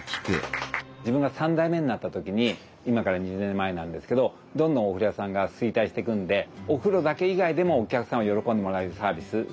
自分が３代目になった時に今から２０年前なんですけどどんどんお風呂屋さんが衰退していくんでお風呂だけ以外でもお客さんが喜んでもらえるサービス